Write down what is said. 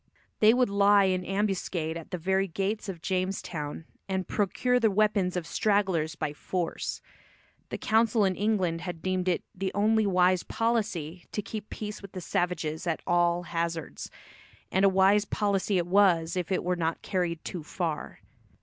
They would lie in ambuscade at the very gates of Jamestown and procure the weapons of stragglers by force. The council in England had deemed it the only wise policy to keep peace with the savages at all hazards, and a wise policy it was if it were not carried too far.